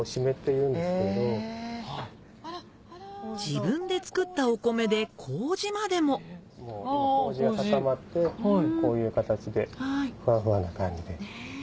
自分で作ったお米で麹までも麹が固まってこういう形でフワフワな感じで。